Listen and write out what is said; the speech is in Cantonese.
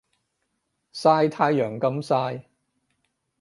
曬太陽咁曬